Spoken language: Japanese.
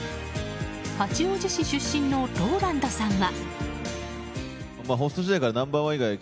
八王子市出身のＲＯＬＡＮＤさんは。